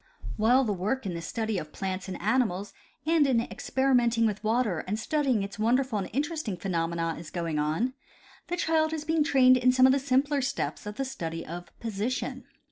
While the work in the study of plants and animals and in experimenting with water and studying its wonderful and in The Sand Board. 141 teresting phenomena is going on, the child is being trained in some of the simpler steps of the study of position.